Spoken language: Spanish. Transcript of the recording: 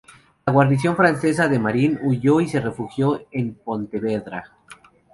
La guarnición francesa de Marín huyó y se refugió en Pontevedra.